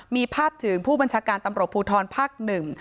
มีภาพถึงผู้บัญชาการตำรวจภูทรภาคหนึ่ง